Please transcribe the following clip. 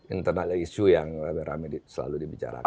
internal issue yang ramai ramai selalu dibicarakan